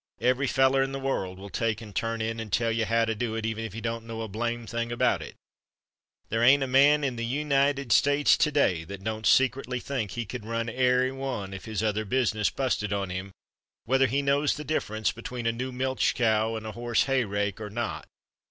Every feller in the world will take and turn in and tell you how to do it, even if he don't know a blame thing about it. There ain't a man in the United States to day that don't secretly think he could run airy one if his other business busted on him, whether he knows the difference between a new milch cow and a horse hayrake or not.